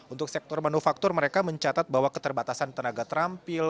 untuk sektor manufaktur mereka mencatat bahwa keterbatasan tenaga terampil